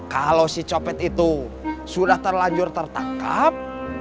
kalau si copet itu sudah terlanjur tertangkap